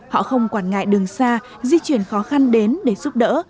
họ không quản ngại đường xa di chuyển khó khăn đến để giúp đỡ